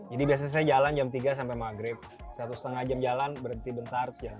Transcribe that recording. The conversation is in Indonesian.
jadi biasanya saya jalan jam tiga sampai maghrib satu setengah jam jalan berhenti bentar sejalan